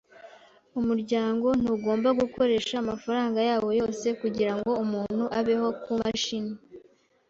Umuryango ntugomba gukoresha amafaranga yawo yose kugirango umuntu abeho kumashini